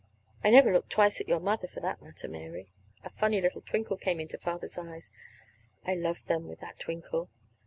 I never looked twice at your mother, for that matter, Mary." (A funny little twinkle came into Father's eyes. I love him with that twinkle!)